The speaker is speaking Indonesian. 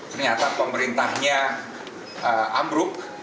ternyata pemerintahnya amruk